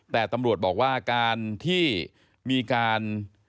แต่ตำรวจบอกว่าการที่มีการ